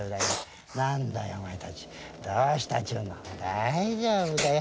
大丈夫だよ。